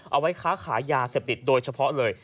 เอาไว้ค้าขายยาเสพติดโดยเฉพาะเลย